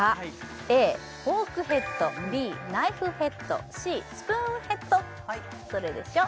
ＡフォークヘッドＢナイフヘッドＣスプーンヘッドどれでしょう？